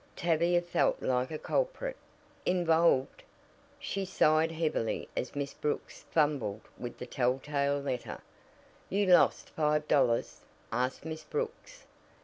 Tavia felt like a culprit. Involved! She sighed heavily as Miss Brooks fumbled with the telltale letter. "You lost five dollars?" asked Miss Brooks.